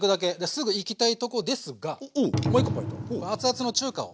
すぐいきたいとこもう一個ポイント。